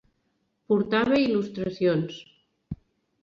Portava il·lustracions.